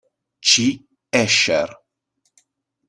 C. Escher.